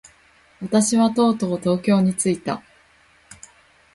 私はとうとう東京に着いた。